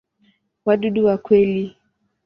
Wadudu wa kweli.